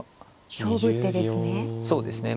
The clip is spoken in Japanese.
勝負手ですね。